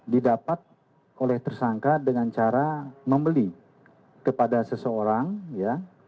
didapat oleh tersangka dengan cara membeli kepada seseorang ya